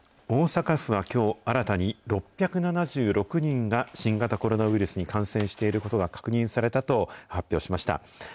大阪府はきょう、新たに６７６人が、新型コロナウイルスに感染していることが確認されたと発表しました。